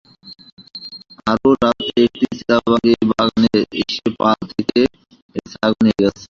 পরশু রাত্রে একটি চিতাবাঘ এই বাগানে এসে পাল থেকে একটি ছাগল নিয়ে গেছে।